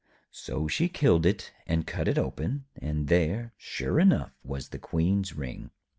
So she killed it, and cut it open, and there, sure enough, was the Queen's ring.